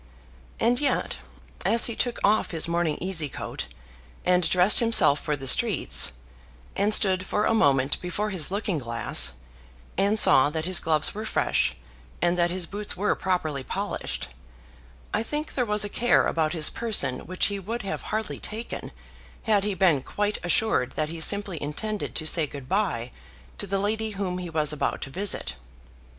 And yet, as he took off his morning easy coat, and dressed himself for the streets, and stood for a moment before his looking glass, and saw that his gloves were fresh and that his boots were properly polished, I think there was a care about his person which he would have hardly taken had he been quite assured that he simply intended to say good bye to the lady whom he was about to visit.